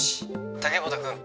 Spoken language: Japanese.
☎竹本君